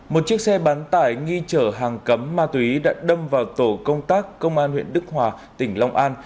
một chiếc xe bán tải nghi chở hàng cấm ma túy đã đâm vào tổ công tác công an huyện đức hòa tỉnh long an